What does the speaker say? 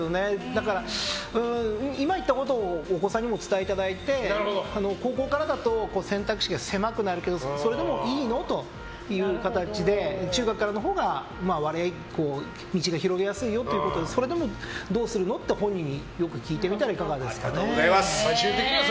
だから、今言ったことをお子さんにお伝えいただいて高校からだと選択肢が狭くなるけどそれでもいいの？という形で中学からのほうが割合、道が広げやすいよということでそれでもどうするの？って本人によく聞いてみたらいかがですかね。